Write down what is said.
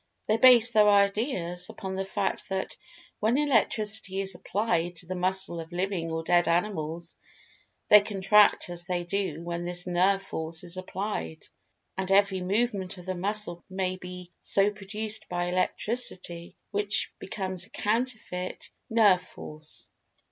They base their ideas upon the fact that when Electricity is applied to the muscle of living or dead animals, they contract just as they do when this "Nerve Force" is applied, and every movement of the muscles may be so produced by Electricity, which becomes a counterfeit Nerve Force.